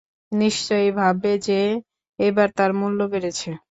নিশ্চয়ই ভাববে যে, এবার তার মূল্য বেড়েছে।